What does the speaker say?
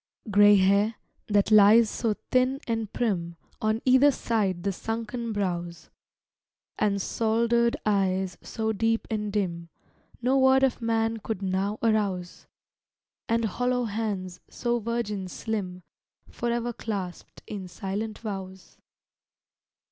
Gray hair, that lies so thin and prim On either side the sunken brows! And soldered eyes, so deep and dim, No word of man could now arouse! And hollow hands, so virgin slim, Forever clasped in silent vows!